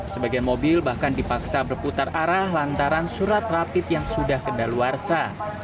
sebagian mobil bahkan dipaksa berputar arah lantaran surat rapid yang sudah kendal warsa